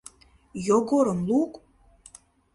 Йогорым лук!